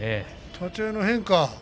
立ち合いの変化